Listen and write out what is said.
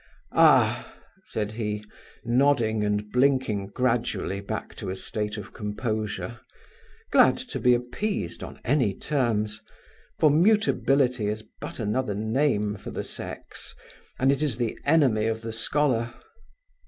"Ah!" said he, nodding and blinking gradually back to a state of composure, glad to be appeased on any terms; for mutability is but another name for the sex, and it is the enemy of the scholar.